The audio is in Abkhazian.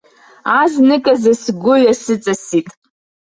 Азныказы сгәы ҩасыҵасит.